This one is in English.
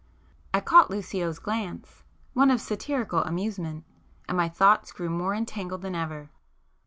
I caught Lucio's glance,—one of satirical amusement,—and my thoughts grew more entangled than ever.